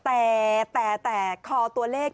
แต่แต่คอตัวเลข